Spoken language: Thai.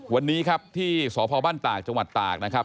วันนี้ครับที่สพตากจตากนะครับ